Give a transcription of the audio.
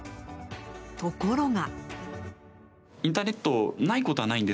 ところが。